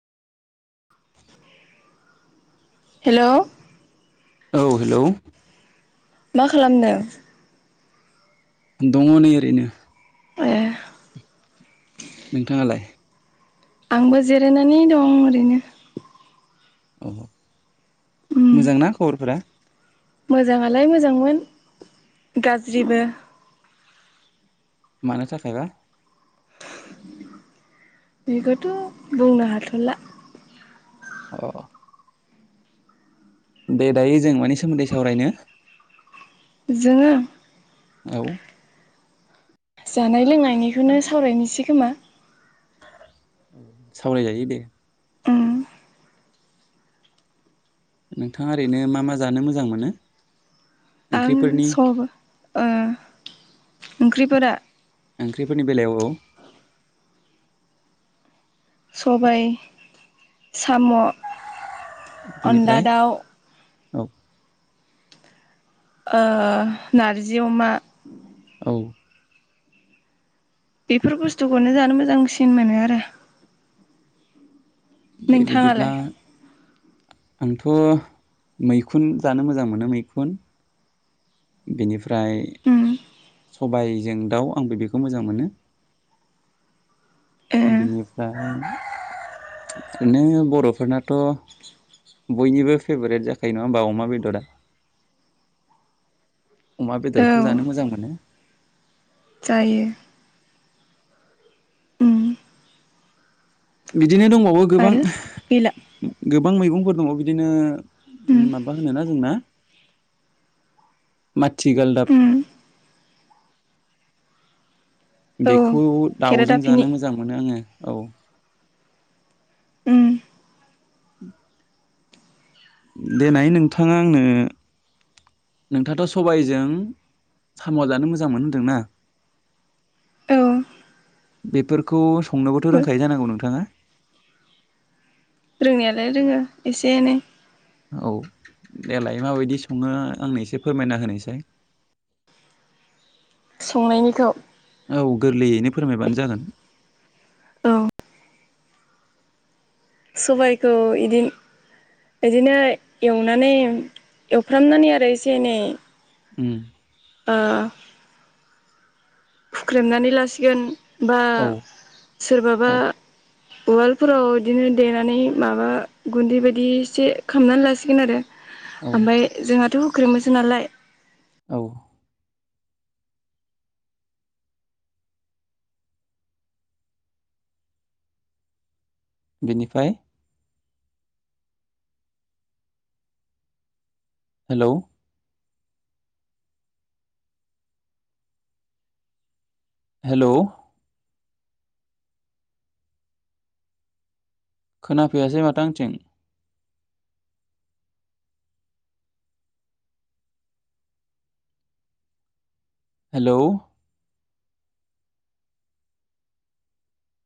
Hello औ hello मा खालामदों दङ नै ओरैनो ए नोंथाङालाय आंबो जिरायनानै दं ओरैनो अ उम मोजांना खबरफोरा मोजाङालाय मोजांमोन गाज्रिबो मानो थाखायबा बेखौथ' बुंनो हाथ'ला अ दे दायो जों मानि सोमोन्दै सावरायनो जोङो औ जानाय लोंनायनिखौनो सावरायनोसै खोमा औ सावरायजायो दे उम नोंथाङा ओरैनो मा मा जानो मोजां मोनो ओ ओंख्रिफोरनि सबाइ ओ ओंख्रिफोरा ओंख्रिफोरनि बेलायाव औ सबाय साम' अनला बेनिफ्राय दाउ औ ओ नारजि अमा औ बेफोर बुस्थुखौनो जानो मोजांसिन मोनो आरो। दे बिदिब्ला नोंथाङालाय आंथ' मैखुन जानो मोजां मोनो मैखुन बेनिफ फ्राय उम सबायजों दाउ आंबो बेखौ मोजां मोनो ए बिनिफ्राय नोङो बर'फोरनाथ' बयनिबो फेभरेट जाखायो नङा होमबा अमा बेदरा अमा औ बेदरखौ जानो मोजां मोनो। जायो। उम बिदिनो दङ अ गोबां आरो गैला गोबां मैगंफोर दङ बिदिनो उम माबा होनो ना जोंना माथि गालदाब उम औ बे खौ दाउजों खेरादाफिनि जानो मोजां मोनो आङो। औ। उम उम देनाय नोंथाङा आंनो नोंथाङाथ' सबायजों साम' जानो मोजां मोनो होनदोंना औ बेफोरखौ संनोबोथ' रोंखायो जानांगौ नोंथाङा? रोंनायालाय रोङो एसे एनै औ देलाय माबायदि सङो आंनो एसे फोरमायना होनायसाय। संनायनिखौ औ गोरलैयैनो फोरमायबानो जागोन। औ सबायखौ इदि इदिनो एवनानै एवफ्रामनानै आरो एसे एनै उम ओ हुख्रेमनानै लासिगोन बा औ सोरबाबा औ उवाल फोराव इदिनो देनानै माबा गुन्दै बायदि एसे खामनानै लासिगोन आरो। औ ओमफाय जोंहाथ' हुख्रेमोसो नालाय औ बिनिफाय हेलौ हेलौ खोनाफैयासै माथो आंथिं। हेलौ